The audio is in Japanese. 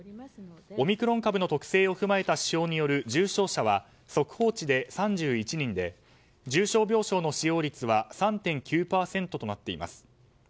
オミクロン株の特性を踏まえた指標による重症者は速報値で３１人で重症病床の使用率は３．９％となっています。